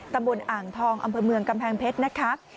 ตำบลอ่างทองอำเภอเมืองกำแพงเพชรนะคะ